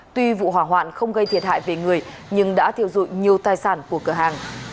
tuy vụ hỏa hoạn không gây thiệt hại về người nhưng đã thiêu dụi nhiều tài sản của cửa hàng